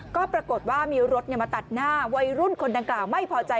ก็ปรากฏว่ามีรถมาตัดหน้าวัยรุ่นคนดังกล่าวไม่พอใจ